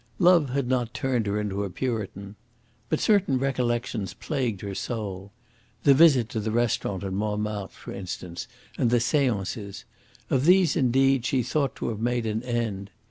Love had not turned her into a Puritan. But certain recollections plagued her soul. The visit to the restaurant at Montmartre, for instance, and the seances. Of these, indeed, she thought to have made an end.